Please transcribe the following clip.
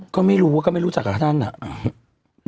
ก็ไม่รู้ก็ไม่รู้จักอันนั้น